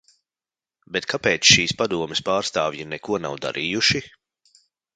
Bet kāpēc šīs padomes pārstāvji neko nav darījuši?